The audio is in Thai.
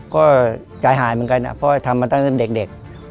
ก็ใจหายเหมือนกันนะเพราะว่าทำมาตั้งแต่เด็ก